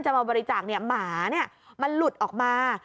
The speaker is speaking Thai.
จะมาบริจาคเนี่ยหมาเนี่ยมันหลุดออกมา